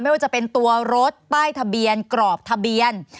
ไม่ว่าจะเป็นตัวรถป้ายทะเบียนกรอบทะเบียน